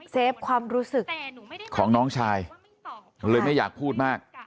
เฟฟความรู้สึกของน้องชายเลยไม่อยากพูดมาก